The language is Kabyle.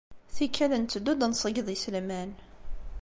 Tikkal netteddu ad nṣeyyed iselman.